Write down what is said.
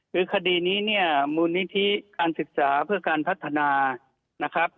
คือคดีนี้เนี่ยมูลนิธิการศึกษาเพื่อการพัฒนานะครับ